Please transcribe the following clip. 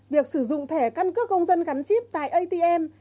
việc sử dụng thẻ căn cước công dân gắn chip tại atm